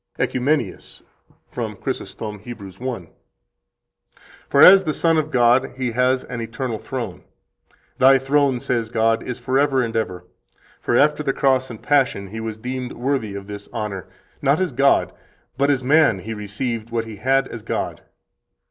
52 OECUMENIUS, from Chrysostom, Heb. 1 (t. 2, op. p. 324, ed 1631): "For as the Son is God, He has an eternal throne. 'Thy throne,' says God, 'is forever and ever.' For after the cross and passion He was deemed worthy of this honor not as God, but as man He received what He had as God."